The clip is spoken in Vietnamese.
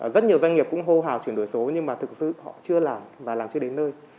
rất nhiều doanh nghiệp cũng hô hào chuyển đổi số nhưng mà thực sự họ chưa làm và làm chưa đến nơi